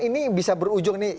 ini bisa berujung nih